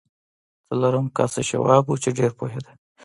څلورم کس یې شواب و چې ډېر پوهېده